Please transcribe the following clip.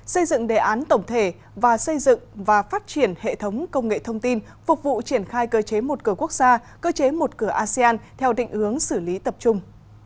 xây dựng đề án tổng thể và xây dựng và phát triển hệ thống công nghệ thông tin phục vụ triển khai cơ chế một cửa quốc gia cơ chế một cửa asean theo định hướng xử lý tập trung